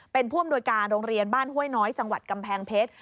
เป็นผู้อำนวยการโรงเรียนบ้านห้วยน้อยจังหวัดกำแพงเพชร